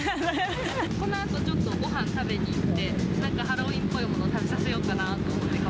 このあとちょっとごはん食べに行って、なんかハロウィーンっぽいもの食べさせようかなと思って、か